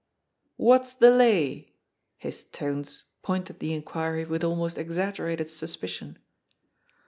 "What's the lay?" His tones pointed the inquiry with almost exaggerated suspicion.